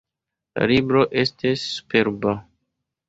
La libro estis superba.